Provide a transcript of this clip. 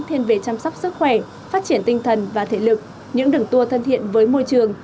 thêm về chăm sóc sức khỏe phát triển tinh thần và thể lực những đường đua thân thiện với môi trường